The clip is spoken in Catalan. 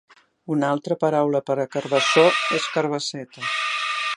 Una altra paraula per a carbassó és carbasseta